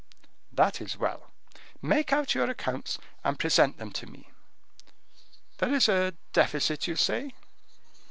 "That is well; make out your accounts, and present them to me. There is a deficit, you say?